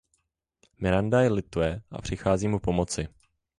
Miranda jej lituje a přichází mu pomoci.